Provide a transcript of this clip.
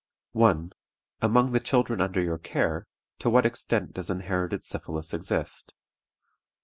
"1. Among the children under your care, to what extent does inherited syphilis exist?